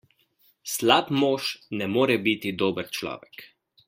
Slab mož ne more biti dober človek.